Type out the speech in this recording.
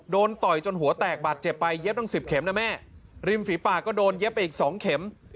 ต่อยจนหัวแตกบาดเจ็บไปเย็บตั้งสิบเข็มนะแม่ริมฝีปากก็โดนเย็บไปอีกสองเข็ม